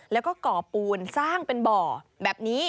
แล้วก็ก่อปูนสร้างเป็นบ่อแบบนี้